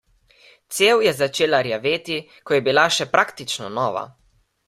Cev je začela rjaveti, ko je bila še praktično nova.